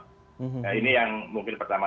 nah ini yang mungkin pertama